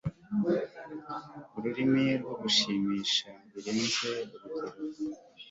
Ururimi rwo gushimisha birenze urugero